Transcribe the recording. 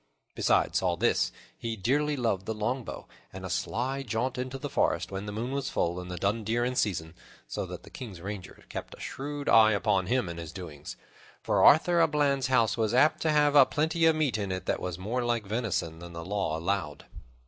Besides all this, he dearly loved the longbow, and a sly jaunt in the forest when the moon was full and the dun deer in season; so that the King's rangers kept a shrewd eye upon him and his doings, for Arthur a Bland's house was apt to have aplenty of meat in it that was more like venison than the law allowed.